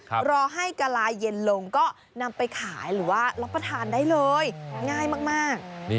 รอให้กะลาเย็นลงก็นำไปขายหรือว่ารับประทานได้เลยง่ายมาก